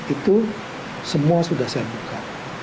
itu semua sudah saya buka